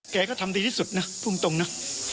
แกก็ทำดีที่สุดนะพูดตรงนะ